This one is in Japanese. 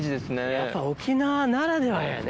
やっぱ沖縄ならではやね。